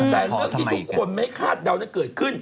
แต่เรื่องที่ทุกคนไม่คาดเดานั้นเกิดขึ้น